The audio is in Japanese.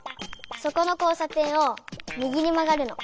そこの交さ点を右にまがるの。